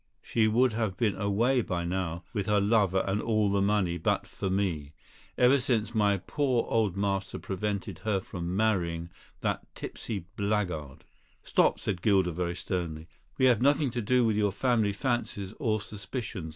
She would have been away by now with her lover and all the money but for me. Ever since my poor old master prevented her from marrying that tipsy blackguard " "Stop," said Gilder very sternly. "We have nothing to do with your family fancies or suspicions.